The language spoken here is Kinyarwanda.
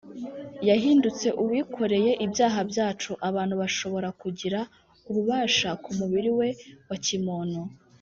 yahindutse uwikoreye ibyaha byacu abantu bashobora kugira ububasha ku mubiri we wa kimuntu